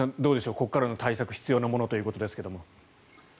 ここからの対策必要ということですが。